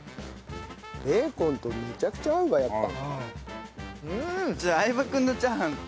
ベーコンとめちゃくちゃ合うわやっぱ。